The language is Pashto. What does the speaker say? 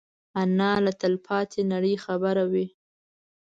انا له تلپاتې نړۍ خبروي